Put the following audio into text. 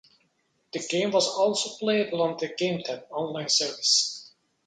The game was also playable on the GameTap online service.